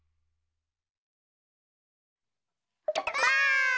ばあっ！